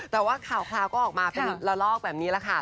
แต่ว่าข่าวก็ออกมาเป็นละลอกแบบนี้แหละค่ะ